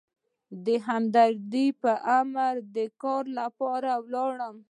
د همدرد په امر د کار لپاره ولاړم.